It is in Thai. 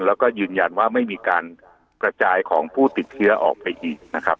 แล้วก็ยืนยันว่าไม่มีการกระจายของผู้ติดเชื้อออกไปอีกนะครับ